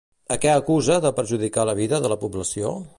A què acusa de perjudicar la vida de la població?